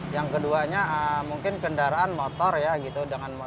yang keduanya mungkin kendaraan motor ya gitu